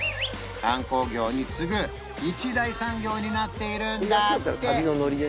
観光業に次ぐ一大産業になっているんだって